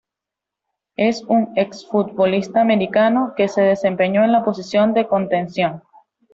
Es un exfutbolista mexicano que se desempeñó en la posición de contención.